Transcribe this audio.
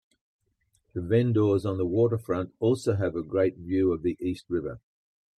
The vendors on the waterfront also have a great view of the East River.